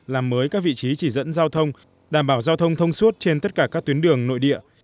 làm mới các vị trí chỉ dẫn giao thông đảm bảo giao thông thông suốt trên tất cả các tuyến đường nội địa